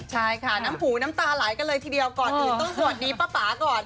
ใช่ค่ะน้ำหูน้ำตาไหลกันเลยทีเดียวก่อนอื่นต้องสวัสดีป้าป๋าก่อน